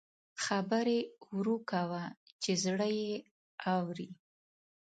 خبرې ورو کوه چې زړه یې اوري